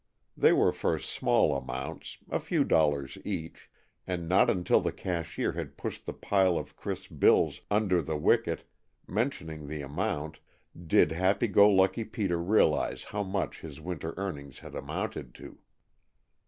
They were for small amounts a few dollars each and not until the cashier had pushed the pile of crisp bills under the wicket, mentioning the amount, did happy go lucky Peter realize how much his winter earnings had amounted to.